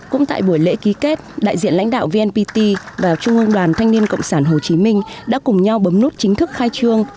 cũng tại buổi lễ ký kết đại diện lãnh đạo vnpt và trung ương đoàn thanh niên cộng sản hồ chí minh đã cùng nhau bấm nút chính thức khai trương